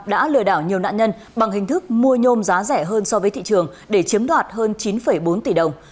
đã lừa đảo nhiều nạn nhân bằng hình thức mua nhôm giá rẻ hơn so với thị trường để chiếm đoạt hơn chín bốn tỷ đồng